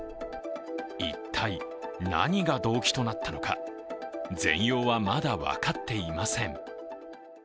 一体、何が動機となったのか全容はまだ分かっていません。